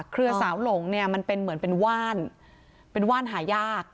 สาวหลงเนี่ยมันเป็นเหมือนเป็นว่านเป็นว่านหายาก